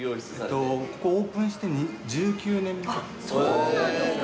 そうなんですか。